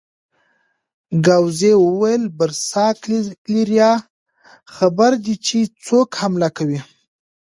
ګاووزي وویل: برساګلیریا خبر دي چې څوک حمله کوي؟